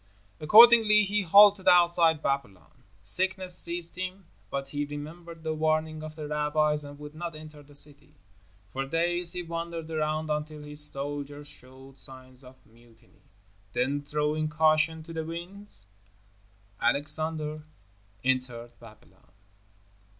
Accordingly, he halted outside Babylon. Sickness seized him, but he remembered the warning of the rabbis and would not enter the city. For days he wandered around until his soldiers showed signs of mutiny. Then, throwing caution to the winds, Alexander entered Babylon.